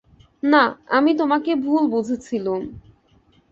নাঃ, আমি তোমাকে ভুল বুঝেছিলুম।